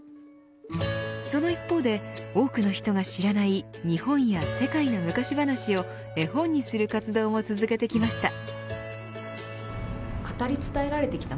その一方で多くの人が知らない日本や世界の昔話を絵本にする活動も続けてきました。